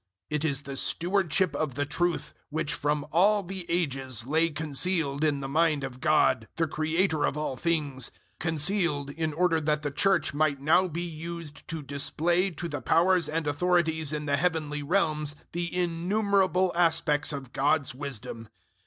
It is the stewardship of the truth which from all the Ages lay concealed in the mind of God, the Creator of all things 003:010 concealed in order that the Church might now be used to display to the powers and authorities in the heavenly realms the innumerable aspects of God's wisdom.